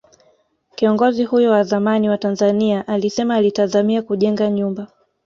Kiongozi huyo wa zamani wa Tanzania alisema alitazamia kujenga nyumba